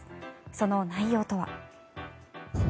その内容とは。